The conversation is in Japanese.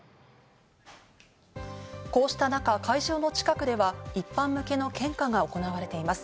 こうした中、会場の近くでは一般向けの献花が行われています。